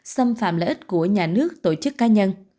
xâm phạm lợi ích của nhà nước tổ chức cá nhân